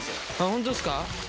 本当っすか！